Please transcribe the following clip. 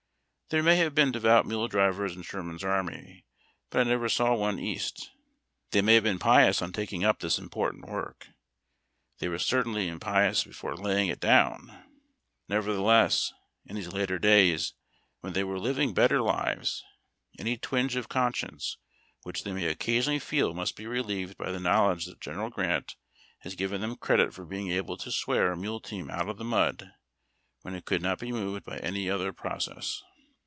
There may have been devout mule drivers in Sherman's army, but I never saw one east. They may have been pious on taking up this impor tant work. They were certainly impious before laying it down. Nevertheless, in these later days, when they are living better lives, any twinge of conscience which they may occasionally feel must be relieved by the knowledge that General Grant has given them credit for being able to swear a mule team out of the mud when it could not be moved by any other process.